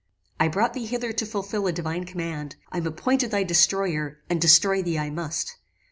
"I brought thee hither to fulfil a divine command. I am appointed thy destroyer, and destroy thee I must."